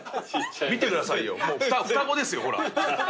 見てくださいよ双子ですよほら。